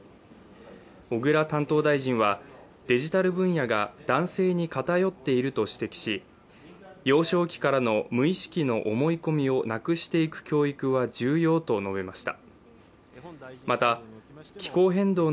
小倉担当大臣はデジタル分野が男性に偏っていると指摘し、幼少期からの無意識の思い込みをなくしていく教育は重要と述べました。